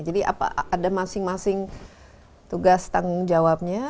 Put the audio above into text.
jadi apa ada masing masing tugas tanggung jawabnya